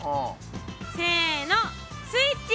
せのスイッチ。